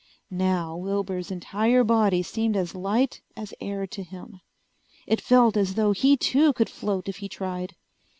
Now Wilbur's entire body seemed as light as air to him. It felt as though he too could float if he tried.